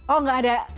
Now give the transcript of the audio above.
oh gak ada